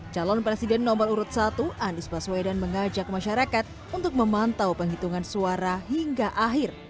calon presiden nomor urut satu anies baswedan mengajak masyarakat untuk memantau penghitungan suara hingga akhir